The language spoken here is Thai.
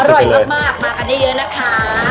อร่อยมากมากันเยอะนะคะ